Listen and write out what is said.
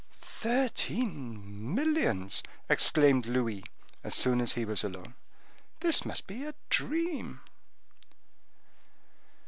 "Thirteen millions!" exclaimed Louis, as soon as he was alone. "This must be a dream!"